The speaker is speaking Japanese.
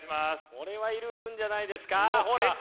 これはいるんじゃないですか？